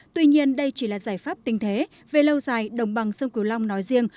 tuy nhiên đây chỉ là giải pháp tình thế về lâu dài đồng bằng sông cửu long nói riêng